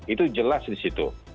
itu jelas di situ